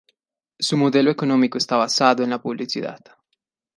Su modelo económico está basado en la publicidad.